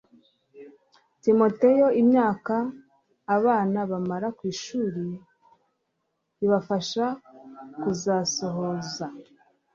Timoteyo Imyaka abana bamara ku ishuri ibafasha kuzasohoza